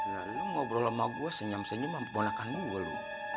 nah lu ngobrol sama gue senyam senyum mempunakan gue lu